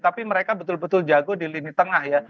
tapi mereka betul betul jago di lini tengah ya